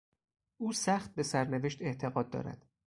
او سخت به سرنوشت اعتقاد دارد.